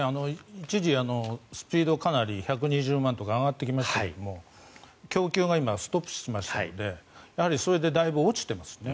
一時、スピードがかなり１２０万とかに上がりましたけど供給が今、ストップしてますのでやはりそれでだいぶ落ちていますね。